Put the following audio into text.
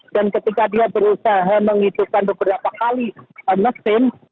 dan ketika dia berusaha menghidupkan beberapa kali mesin